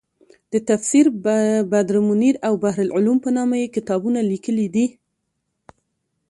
د تفسیر بدرمنیر او بحرالعلوم په نامه یې کتابونه لیکلي دي.